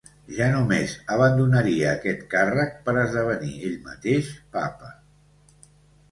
Ja només abandonaria aquest càrrec per esdevenir ell mateix Papa.